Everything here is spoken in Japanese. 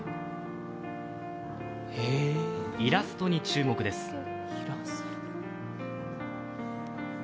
イラストに注目です。